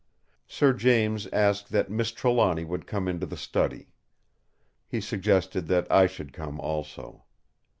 Sir James asked that Miss Trelawny would come into the study. He suggested that I should come also.